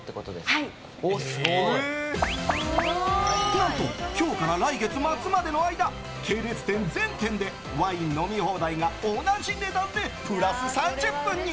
何と今日から来月末までの間系列店全店でワイン飲み放題が同じ値段でプラス３０分に。